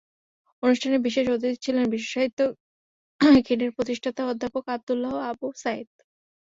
অনুষ্ঠানে বিশেষ অতিথি ছিলেন বিশ্বসাহিত্য কেন্দ্রের প্রতিষ্ঠাতা অধ্যাপক আবদুল্লাহ আবু সায়ীদ।